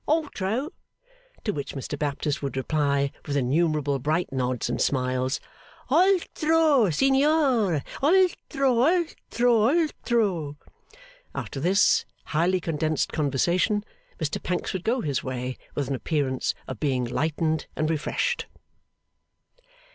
Altro!' To which Mr Baptist would reply with innumerable bright nods and smiles, 'Altro, signore, altro, altro, altro!' After this highly condensed conversation, Mr Pancks would go his way with an appearance of being lightened and refreshed.